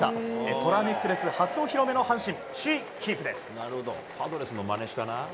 虎ネックレス初お披露目の阪神首位キープです。